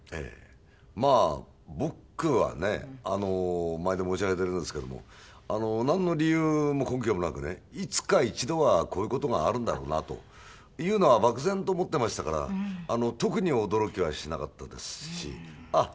まあ僕はね毎度申し上げているんですけどもなんの理由も根拠もなくねいつか一度はこういう事があるんだろうなというのは漠然と思っていましたから特に驚きはしなかったですしあっ